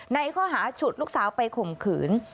ในข้อหาฉุดลูกสาวไปข่มขืน